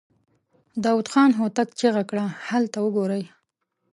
داوود خان هوتک چيغه کړه! هلته وګورئ!